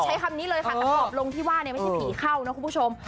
ใช้คำนี้เลยค่ะแต่ขอบลงที่ว่าเนี่ยไม่ใช่ผีเข้านะคุณผู้ชม